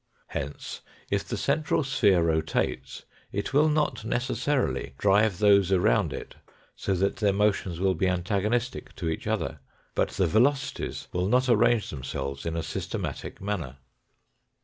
Hence, if the central sphere rotates, it will not necessarily drive those around it so that their motions will be antagonistic to each other, but the velocities will not arrange themselves in a systematic manner.